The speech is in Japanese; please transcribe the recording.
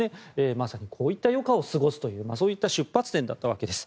まさにこういった余暇を過ごすという出発点だったわけです。